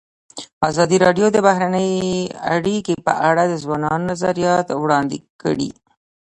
ازادي راډیو د بهرنۍ اړیکې په اړه د ځوانانو نظریات وړاندې کړي.